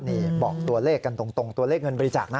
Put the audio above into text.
นี่บอกตัวเลขกันตรงตัวเลขเงินบริจาคนะ